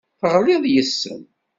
Tegliḍ yes-sen.